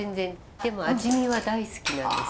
でも味見は大好きなんですよ。